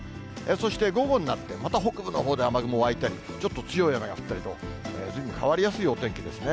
そして午後になって、また北部のほうで雨雲湧いたり、ちょっと強い雨が降ったりと、ずいぶん変わりやすいお天気ですね。